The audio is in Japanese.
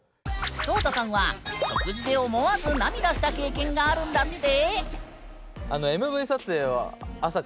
ＳＯＴＡさんは食事で思わず涙した経験があるんだって。